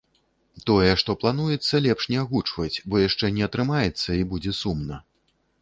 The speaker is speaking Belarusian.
Тое, што плануецца, лепш не агучваць, бо яшчэ не атрымаецца, і будзе сумна.